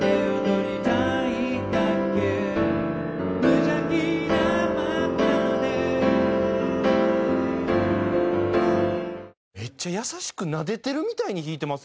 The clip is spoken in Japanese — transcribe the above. めっちゃ優しくなでてるみたいに弾いてますよね。